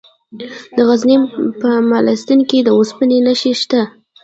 د غزني په مالستان کې د اوسپنې نښې شته.